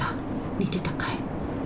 寝てたかい？